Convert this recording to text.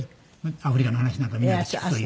アフリカの話なんかみんなで聞くという。